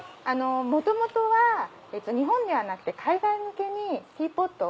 元々は日本ではなくて海外向けにティーポットを。